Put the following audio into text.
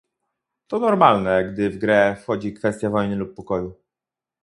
To normalne, gdy w grę wchodzi kwestia wojny lub pokoju